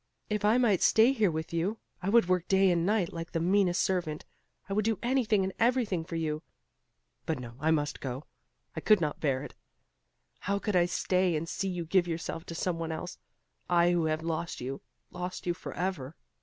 If I might stay here with you, I would work day and night like the meanest servant; I would do anything and everything for you. But no! I must go! I could not bear it! How could I stay and see you give yourself to some one else I who have lost you, lost you forever!"